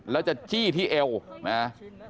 แล้วจะจี้ที่เอวนะ